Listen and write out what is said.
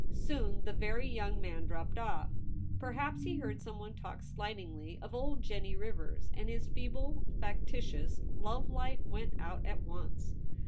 Soon the very young man dropped off Perhaps he heard someone talk slightingly of ' old Jennie Rivers ;' and his feeble, factitious love light went out at once.